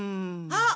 あっ。